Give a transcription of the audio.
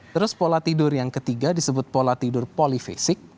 terus pola tidur yang ketiga disebut pola tidur polifisik